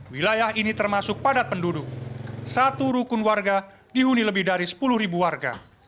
wilayah ini termasuk padat penduduk satu rukun warga dihuni lebih dari sepuluh warga